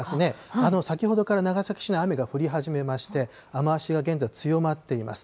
先ほどから長崎市内、雨が降り始めまして、雨足が現在強まっています。